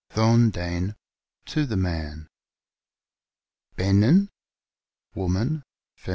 dho'n den, to the man. Benen, woman, fern.